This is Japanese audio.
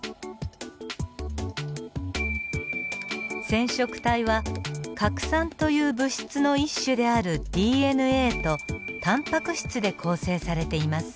染色体は核酸という物質の一種であるＤＮＡとタンパク質で構成されています。